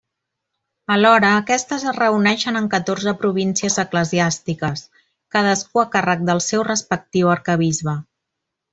Alhora, aquestes es reuneixen en catorze províncies eclesiàstiques, cadascú a càrrec del seu respectiu arquebisbe.